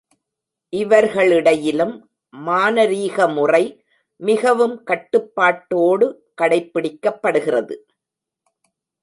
இவர்களிடையிலும் மானரீகமுறை மிகவும் கட்டுப்பாட்டோடு கடைப்பிடிக்கப்படுகிறது.